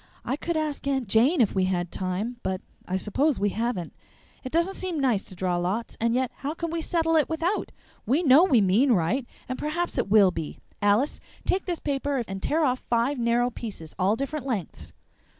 "I could ask Aunt Jane if we had time, but I suppose we haven't. It doesn't seem nice to draw lots, and yet how can we settle it without? We know we mean right, and perhaps it will be. Alice, take this paper and tear off five narrow pieces, all different lengths."